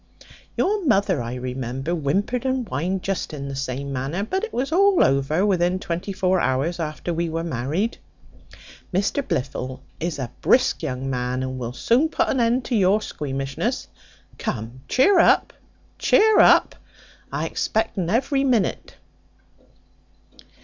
Your mother, I remember, whimpered and whined just in the same manner; but it was all over within twenty four hours after we were married: Mr Blifil is a brisk young man, and will soon put an end to your squeamishness. Come, chear up, chear up; I expect un every minute."